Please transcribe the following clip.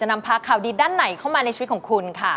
นำพาข่าวดีด้านไหนเข้ามาในชีวิตของคุณค่ะ